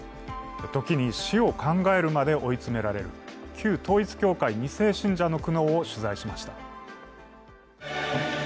時に市を考えるまでに追い詰められる、旧統一教会の２世信者の苦悩を取材しました。